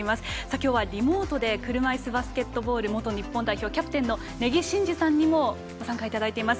きょうはリモートで車いすバスケットボール元日本代表キャプテンの根木慎志さんにもご参加いただいております。